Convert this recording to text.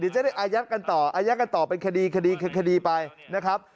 เดี๋ยวจะได้อายัดกันต่ออายัดกันต่อเป็นคดีไปนะครับ